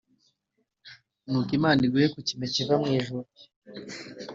Nuko imana iguhe ku kime kiva mu ijuru